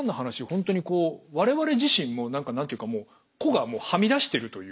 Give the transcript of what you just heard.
本当にこうわれわれ自身も何か何て言うかもう個がはみ出してるというか。